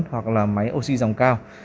hoặc là máy oxy dòng cao